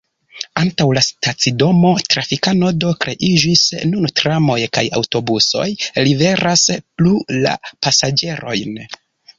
Antaŭ la stacidomo trafika nodo kreiĝis, nun tramoj kaj aŭtobusoj liveras plu la pasaĝerojn.